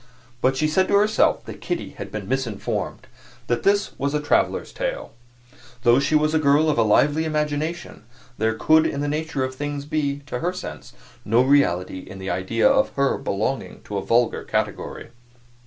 But she said to herself that Kitty had been misinformed that this was a traveler's tale. Though she was a girl of a lively imagination, there could in the nature of things be, to her sense, no reality in the idea of her belonging to a vulgar category.